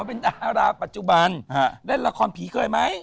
เป็นดาราปัจจุบันเล่นละครผีเคยไหม